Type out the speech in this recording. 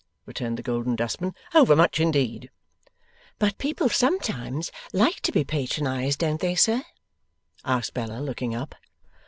returned the Golden Dustman. 'Overmuch indeed!' 'But people sometimes like to be patronized; don't they, sir?' asked Bella, looking up.